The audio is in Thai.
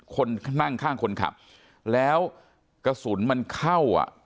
คนนั่งข้างคนขับแล้วกระสุนมันเข้าอ่ะ